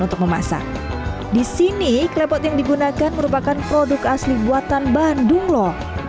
untuk memasak disini krepot yang digunakan merupakan produk asli buatan bandung loh